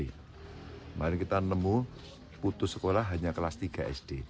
kemarin kita nemu putus sekolah hanya kelas tiga sd